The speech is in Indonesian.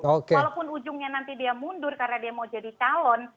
walaupun ujungnya nanti dia mundur karena dia mau jadi calon